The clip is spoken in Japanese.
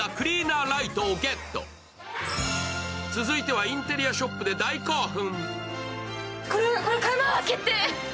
続いては、インテリアショップで大興奮。